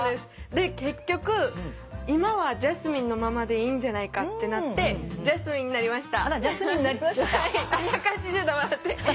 で結局今はジャスミンのままでいいんじゃないかってなってジャスミンになりました。